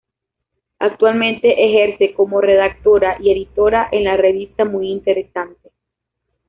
Actualmente ejerce como redactora y editora en la revista Muy Interesante.